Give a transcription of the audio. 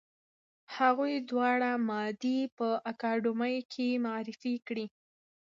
هغوی دواړه مادې په اکاډمۍ کې معرفي کړې.